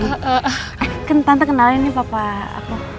eh kan tante kenalin nih papa apa